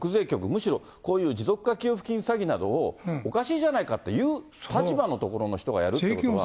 むしろこういう持続化給付金詐欺などをおかしいじゃないかと言う立場の所の人がやるっていうのは。